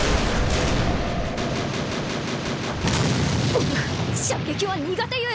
うっ射撃は苦手ゆえ！